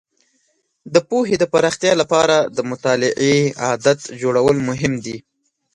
د پوهې د پراختیا لپاره د مطالعې عادت جوړول مهم دي.